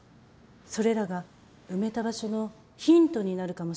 それらが埋めた場所のヒントになるかもしれません。